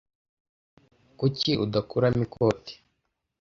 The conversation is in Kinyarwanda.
Kuki udakuramo ikoti?